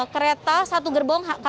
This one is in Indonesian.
kereta satu gerbong